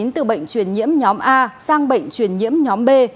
từ bệnh truyền nhiễm nhóm a sang bệnh truyền nhiễm nhóm b